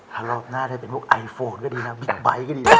ถ้ารอบหน้าจะเป็นพวกไอโฟนก็ดีนะ